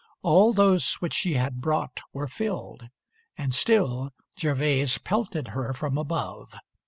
All those which she had brought were filled, And still Gervase pelted her from above.